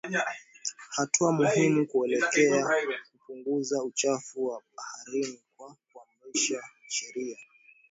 Hatua muhimu kuelekea kupunguza uchafuzi wa baharini kwa kuimarisha sheria